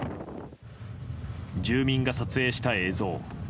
住民が撮影した映像。